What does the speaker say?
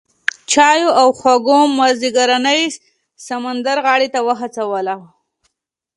چایو او خوږو مازیګرنۍ سمندرغاړې ته وهڅولو.